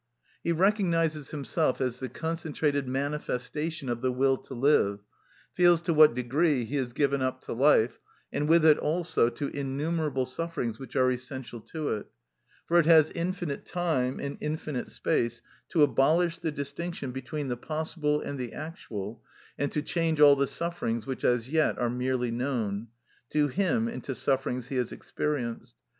He recognises himself as the concentrated manifestation of the will to live, feels to what degree he is given up to life, and with it also to innumerable sufferings which are essential to it, for it has infinite time and infinite space to abolish the distinction between the possible and the actual, and to change all the sufferings which as yet are merely known to him into sufferings he has experienced.